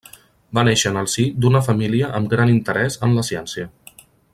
Va néixer en el si d'una família amb gran interès en la ciència.